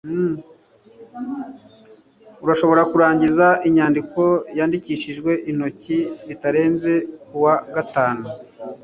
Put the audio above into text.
urashobora kurangiza inyandiko yandikishijwe intoki bitarenze kuwa gatanu